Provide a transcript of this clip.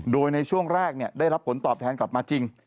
โดยในช่วงแรกได้รับผลตอบแทนกลับมาจริง